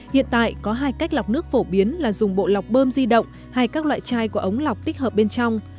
hiện tại có hai cách lọc nước phổ biến là dùng bộ lọc bơm di động hay các loại chai của ống lọc tích hợp bên trong